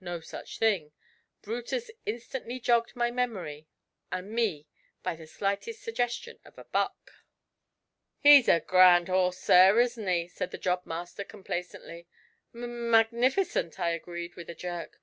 No such thing: Brutus instantly jogged my memory, and me, by the slightest suggestion of a 'buck.' 'He's a grand 'orse, sir, isn't he?' said the job master complacently. 'M magnificent!' I agreed, with a jerk.